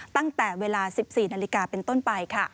ตั้งแต่เวลา๑๔นาฬิกาเป็นต้นไปค่ะ